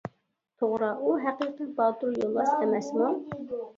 توغرا ئۇ ھەقىقىي باتۇر يولۋاس ئەمەسمۇ؟ !